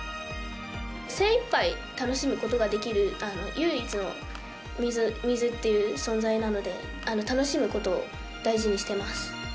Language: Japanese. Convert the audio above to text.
精いっぱい楽しむことができる唯一の水という存在なので楽しむことを大事にしてます。